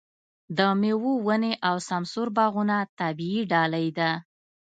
د مېوو ونې او سمسور باغونه طبیعي ډالۍ ده.